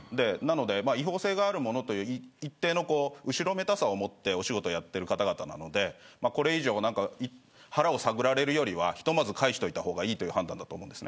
違法性があるものという一定の後ろめたさを持ってお仕事をやっている方なのでこれ以上、腹を探られるよりはひとまず返しておいた方がいいという判断だと思います。